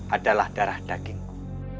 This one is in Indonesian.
adalah darah dagingmu